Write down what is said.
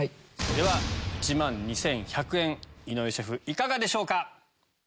では１万２１００円井上シェフいかがでしょうか？